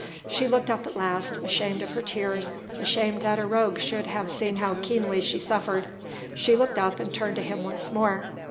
She looked up at last, ashamed of her tears, ashamed that a rogue should have seen how keenly she suffered. She looked up and turned to him once more.